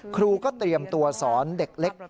ครูก็เตรียมตัวสอนเด็กเล็ก